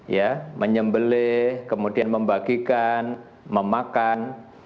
ya menyembelih kemudian membagikan memakan